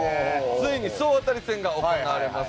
ついに総当たり戦が行われます。